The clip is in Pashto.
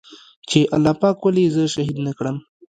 چې الله پاک ولې زه شهيد نه کړم.